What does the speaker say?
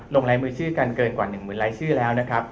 ลงรายมือชื่อกันเกินกว่าหนึ่งหมื่นรายชื่อแล้วนะครับ